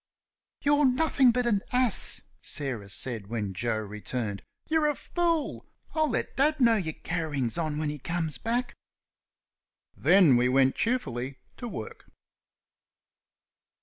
"You're nothing but an ass!" Sarah said when Joe returned. "You're a fool! I'll let father know your carryings on when he comes back." Then we went cheerfully to work.